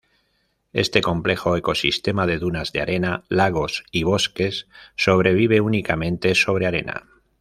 Este complejo ecosistema de dunas de arena, lagos, y bosques sobrevive únicamente sobre arena.